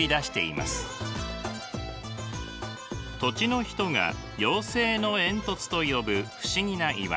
土地の人が妖精の煙突と呼ぶ不思議な岩。